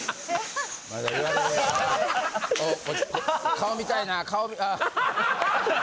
顔見たいなぁ顔。